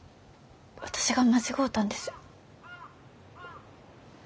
私が間違うたんです。